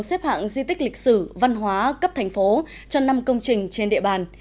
xếp hạng di tích lịch sử văn hóa cấp thành phố cho năm công trình trên địa bàn